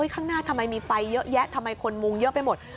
ข้างหน้าทำไมมีไฟเยอะแยะทำไมคนมุงเยอะไปหมด